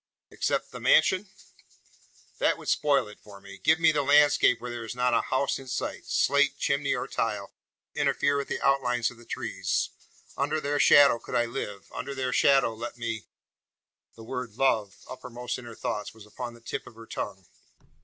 "Except the mansion?" "That would spoil it for me. Give me the landscape where there is not a house in sight slate, chimney, or tile to interfere with the outlines of the trees. Under their shadow could I live; under their shadow let me " The word: "love" uppermost in her thoughts was upon the tip of her tongue.